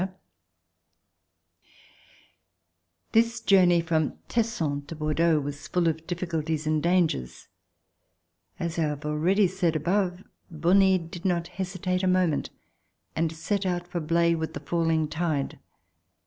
C 170] DECISION TO LEAVE FRANCE This journey from Tesson to Bordeaux was full of difficulties and dangers. As I have already said above, l^onie did not hesitate a moment and set out for Blaye with the falling tide.